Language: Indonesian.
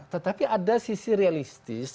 tetapi ada sisi realistis